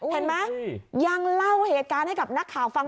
เห็นไหมยังเล่าเหตุการณ์ให้กับนักข่าวฟัง